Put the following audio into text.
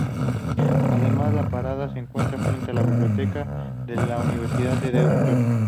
Además, la parada se encuentra frente a la Biblioteca de la Universidad de Deusto.